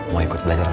nunggu aja kan